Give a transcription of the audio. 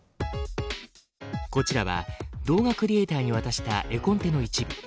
こちらは動画クリエーターに渡した絵コンテの一部。